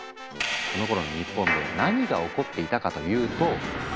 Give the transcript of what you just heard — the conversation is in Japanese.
このころの日本で何が起こっていたかというとペストの流行。